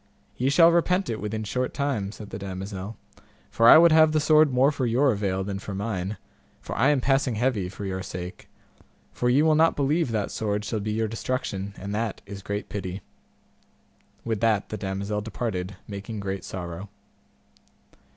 Ye shall repent it within short time, said the damosel, for I would have the sword more for your avail than for mine, for I am passing heavy for your sake; for ye will not believe that sword shall be your destruction, and that is great pity. With that the damosel departed, making great sorrow.